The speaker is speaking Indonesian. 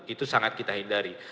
itu sangat kita hindari